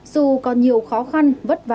dù còn nhiều khó khăn nhưng vẫn có một lý do